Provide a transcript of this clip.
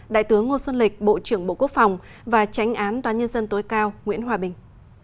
đại tướng ngô xuân lịch bộ trưởng bộ quốc phòng và tránh án toán nhân dân tối cao nguyễn hòa bình